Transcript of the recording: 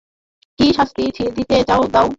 কী শাস্তি দিতে চাও দাও।